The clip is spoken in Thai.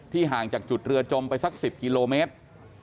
ห่างจากจุดเรือจมไปสัก๑๐กิโลเมตร